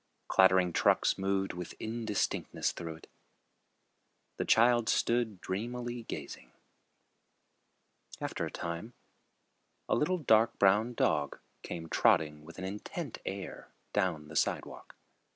Clattering trucks moved with indistinctness through it. The child stood dreamily gazing. After a time, a little dark brown dog came trotting with an intent air down the sidewalk.